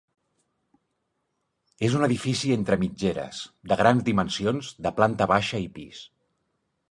És un edifici entre mitgeres, de grans dimensions, de planta baixa i pis.